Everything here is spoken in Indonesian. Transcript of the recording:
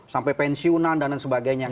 sampai pensiunan dan sebagainya